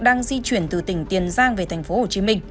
đang di chuyển từ tỉnh tiền giang về tp hcm